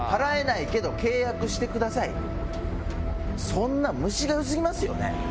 そんなん虫が良過ぎますよね。